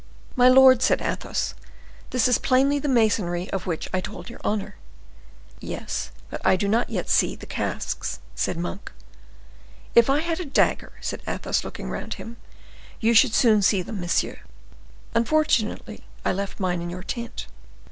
"My lord," said Athos, "this is plainly the masonry of which I told your honor." "Yes; but I do not yet see the casks," said Monk. "If I had a dagger," said Athos, looking round him, "you should soon see them, monsieur. Unfortunately, I left mine in your tent."